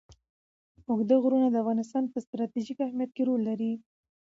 اوږده غرونه د افغانستان په ستراتیژیک اهمیت کې رول لري.